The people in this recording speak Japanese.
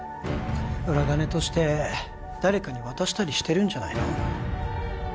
裏金として誰かに渡したりしてるんじゃないの？